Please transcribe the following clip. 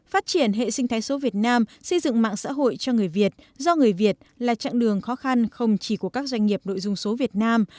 phát triển hệ sinh thái số việt nam xây dựng mạng xã hội cho người việt do người việt là trạng đường khó khăn không chỉ của các doanh nghiệp nội dung số việt nam